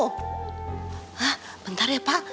hah bentar ya pa